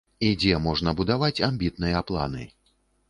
І дзе можна будаваць амбітныя планы.